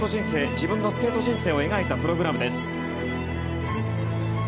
自分のスケート人生を描いたプログラムです。